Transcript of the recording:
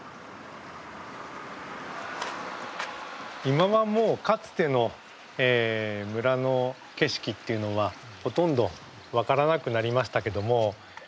今はもうかつての村の景色っていうのはほとんど分からなくなりましたけども。